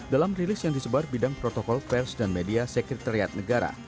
dalam rilis yang disebar bidang protokol pers dan media sekretariat negara